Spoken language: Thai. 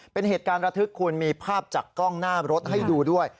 เป็นเหตุการณ์ระทึกคุณมีภาพจากกล้องหน้ารถให้ดูด้วย